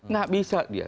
nggak bisa dia